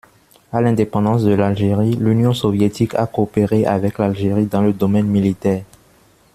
À l'indépendance de l'Algérie, l'Union soviétique a coopéré avec l'Algérie dans le domaine militaire.